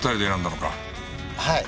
はい。